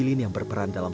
di bukit asam